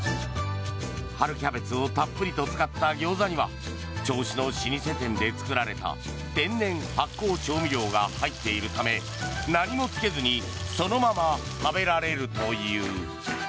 春キャベツをたっぷりと使ったギョウザには銚子の老舗店で作られた天然発酵調味料が入っているため何もつけずにそのまま食べられるという。